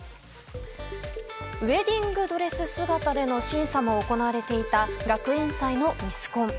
ウェディングドレス姿の審査も行われていた学園祭のミスコン。